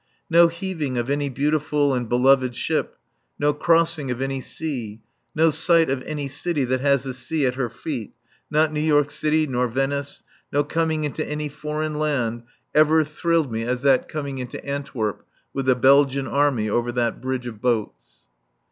No heaving of any beautiful and beloved ship, no crossing of any sea, no sight of any city that has the sea at her feet, not New York City nor Venice, no coming into any foreign land, ever thrilled me as that coming into Antwerp with the Belgian army over that bridge of boats.